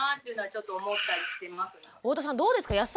どうですか？